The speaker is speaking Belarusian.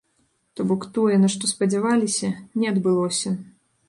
То бок тое, на што спадзяваліся, не адбылося.